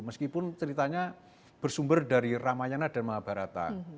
meskipun ceritanya bersumber dari ramayana dan mahabharata